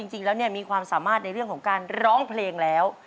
จริงแล้วมีความสามารถในเรื่องของการร้องเพลงแล้ว